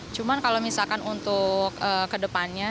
cuma kalau misalkan untuk ke depannya